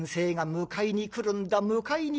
迎えに来るんだ。